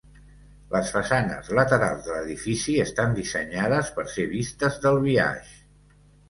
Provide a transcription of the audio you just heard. Les façanes laterals de l'edifici estan dissenyades per ser vistes del biaix.